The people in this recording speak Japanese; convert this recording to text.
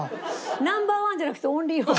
ナンバーワンじゃなくてオンリーワン。